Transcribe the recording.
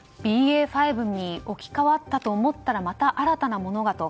ＢＡ．５に置き換わったと思ったらまた新たなものがと。